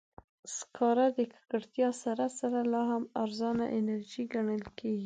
سکاره د ککړتیا سره سره، لا هم ارزانه انرژي ګڼل کېږي.